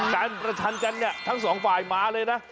การประชานการณ์ทั้งสองฝ่ายหมาเลยนะ